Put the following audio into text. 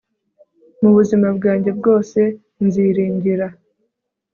mu buzima bwanjye bwose nziringira